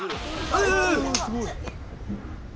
すごい。